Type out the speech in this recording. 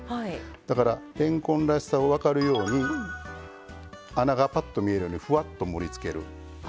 だから、れんこんらしさが分かるように穴が、ぱっと見えるようにふわっと盛りつける。